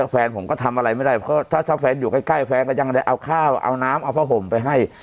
แฟนผมก็ทำอะไรไม่ได้เพราะถ้าแฟนอยู่ใกล้แฟนก็ยังได้เอาข้าวเอาน้ำเอาผ้าห่มไปให้